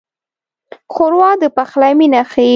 ښوروا د پخلي مینه ښيي.